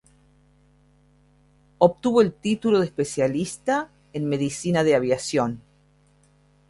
Obtuvo el título de especialista en Medicina de Aviación.